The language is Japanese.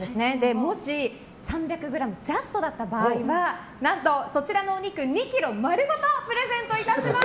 もし３００ｇジャストだった場合何と、そちらのお肉２ｋｇ丸ごとプレゼントいたします！